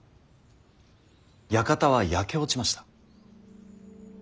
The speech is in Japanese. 館は焼け落ちました。